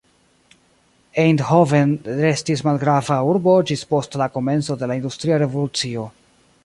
Eindhoven restis malgrava urbo ĝis post la komenco de la industria revolucio.